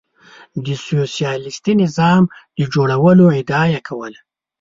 د سوسیالیستي نظام د جوړولو ادعا یې کوله.